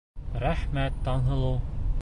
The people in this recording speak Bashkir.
Рәхмәт, Таңһылыу!